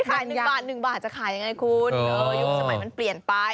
๑๑บาทที่ไหนคุณอยู่ประสงค์มันเปลี่ยนไป